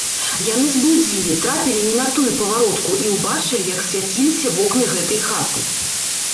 Яны зблудзілі, трапілі не на тую паваротку і ўбачылі, як свяціліся вокны гэтай хаты.